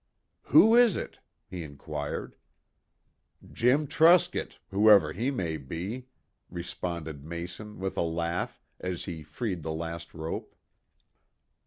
"Who is it?" he inquired. "Jim Truscott whoever he may be," responded Mason with a laugh, as he freed the last rope.